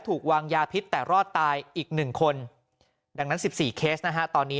ถูกวางยาพิษแต่รอดตายอีก๑คนดังนั้น๑๔เคสนะฮะตอนนี้